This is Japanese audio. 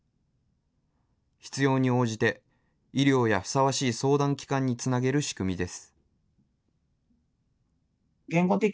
必要に応じて、医療やふさわしい相談機関につなげる仕組みです。